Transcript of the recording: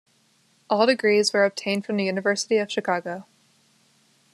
All degrees were obtained from the University of Chicago.